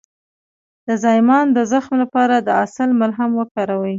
د زایمان د زخم لپاره د عسل ملهم وکاروئ